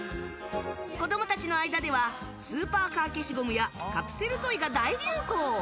子供たちの間ではスーパーカー消しゴムやカプセルトイが大流行！